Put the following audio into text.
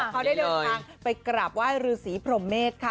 เขาได้เดินทางไปกราบไหว้รือสีพรมเมษค่ะ